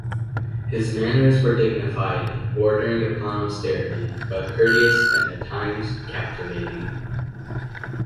His manners were dignified, bordering upon austerity, but courteous, and at times captivating.